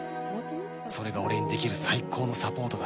それが俺にできる最高のサポートだ